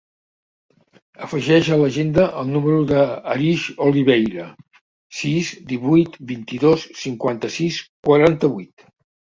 Afegeix a l'agenda el número de l'Arij Olveira: sis, divuit, vint-i-dos, cinquanta-sis, quaranta-vuit.